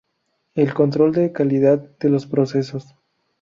El control de calidad de los procesos.